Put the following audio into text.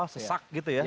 sesak gitu ya